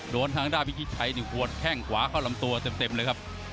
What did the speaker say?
ทางด้านพิชิตชัยหัวแข้งขวาเข้าลำตัวเต็มเลยครับ